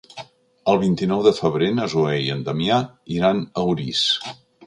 El vint-i-nou de febrer na Zoè i en Damià iran a Orís.